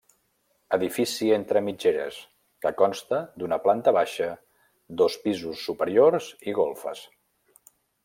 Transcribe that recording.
Edifici entre mitgeres, que consta d'una planta baixa, dos pisos superiors i golfes.